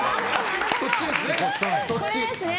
そっちですね。